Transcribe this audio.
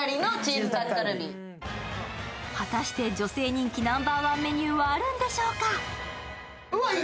果たして女性人気ナンバーワンメニューはあるんでしょうか。